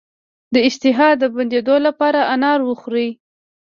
د اشتها د بندیدو لپاره انار وخورئ